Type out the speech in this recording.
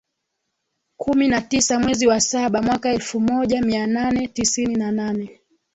kumi na tisa mwezi wa saba mwaka elfu moja mia nane tisini na nane